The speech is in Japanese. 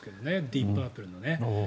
ディープ・パープルのね。